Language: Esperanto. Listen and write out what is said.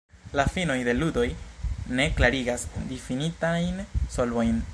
La finoj de ludoj ne klarigas difinitajn solvojn.